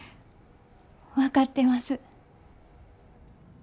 分かってます。